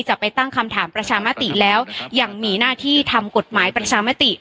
ไปตั้งคำถามประชามติแล้วยังมีหน้าที่ทำกฎหมายประชามติ